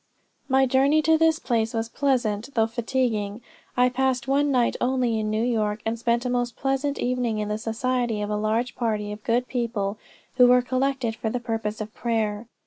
"My journey to this place was pleasant, though fatiguing. I passed one night only in New York, and spent a most pleasant evening in the society of a large party of good people who were collected for the purpose of prayer.